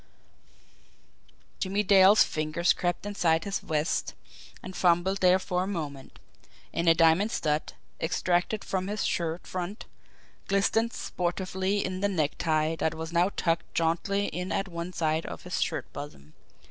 Jimmie Dale's fingers crept inside his vest and fumbled there for a moment and a diamond stud, extracted from his shirt front, glistened sportively in the necktie that was now tucked jauntily in at one side of his shirt bosom.